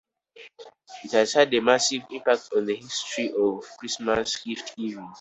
It has had a massive impact on the history of Christmas gift-giving.